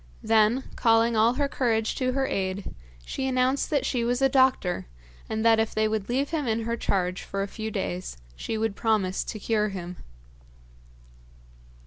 Then, calling all her courage to her aid, she announced that she was a doctor, and that if they would leave him in her charge for a few days she would promise to cure him.